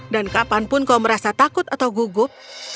dan kapanpun kau merasa takut atau gugup